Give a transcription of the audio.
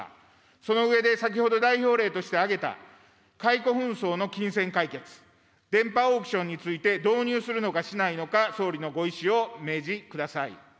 その上で、先ほど代表例として挙げた解雇紛争の金銭解決、電波オークションについて、導入するのかしないのか、総理のご意志を明示ください。